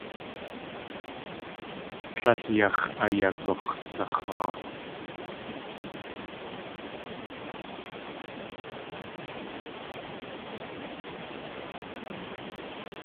Tlél yax̲ ayagux̲sax̲aa.